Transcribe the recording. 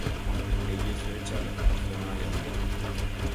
Egiozue txalo, zuen anaia da...